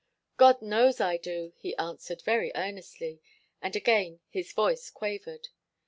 "God knows I do," he answered, very earnestly, and again his voice quavered.